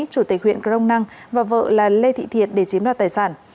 chủ tịch huyện crong năng và vợ là lê thị thiệt để chiếm đoạt tài sản